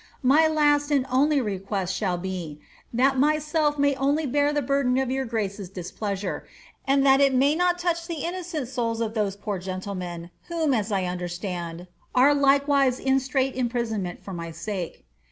^My last and only request shall be, that myself may only bear tlie burden of JOQr grace's displeasure, and that it may not touch the innocent souls of those poor gentlemen, whom, as I understand, arc likewise in strait imprisonment for my mke.